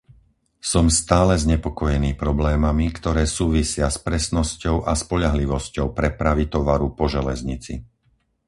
Som stále znepokojený problémami, ktoré súvisia s presnosťou a spoľahlivosťou prepravy tovaru po železnici.